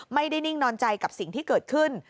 นิ่งนอนใจกับสิ่งที่เกิดขึ้น